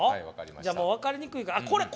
じゃあもう分かりにくいからこれええわ。